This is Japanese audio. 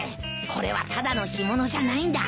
これはただの干物じゃないんだ。